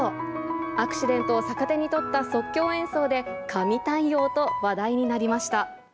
アクシデントを逆手に取った即興演奏で、神対応と話題になりました。